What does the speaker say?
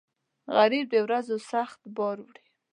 غریب د ورځو سخت بار وړي